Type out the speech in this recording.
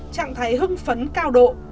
trạng thái hưng phấn cao độ